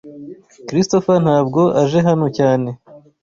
Christopher ntabwo aje hano cyane.